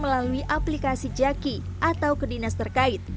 melalui aplikasi jaki atau kedinas terkait